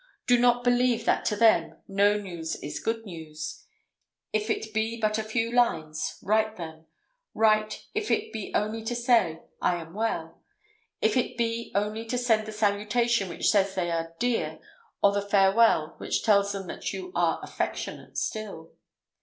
Do not believe that to them "no news is good news." If it be but a few lines, write them. Write, if it be only to say, "I am well;" if it be only to send the salutation which says they are "dear," or the farewell which tells them that you are "affectionate" still.